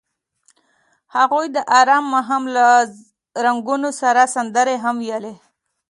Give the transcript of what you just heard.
هغوی د آرام ماښام له رنګونو سره سندرې هم ویلې.